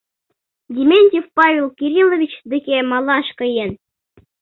Дементьев Павел Кириллович деке малаш каен.